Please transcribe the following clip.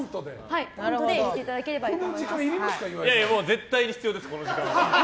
絶対に必要です、この時間は。